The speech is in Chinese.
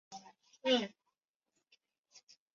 大将军以下各级环卫官也作为武臣责授散官。